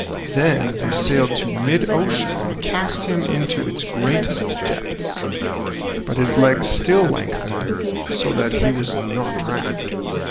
Then they sailed to mid ocean and cast him into its greatest depths, but his legs still lengthened so that he was not drowned.